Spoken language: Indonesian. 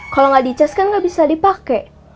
kalau ga dicas kan ga bisa dipake